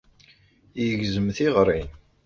Yegzem tiɣri.